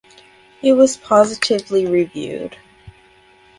It was positively reviewed.